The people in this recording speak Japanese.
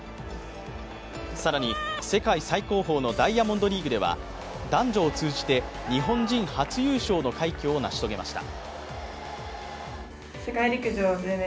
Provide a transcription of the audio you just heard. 更に、世界最高峰のダイヤモンドリーグでは男女を通じて日本人初優勝の快挙を成し遂げました。